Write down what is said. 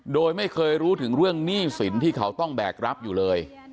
โดยไม่เคยรู้ถึงเรื่องหนี้สินที่เขาต้องแบกรับอยู่เลย